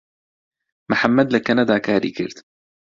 محەممەد لە کەنەدا کاری کرد.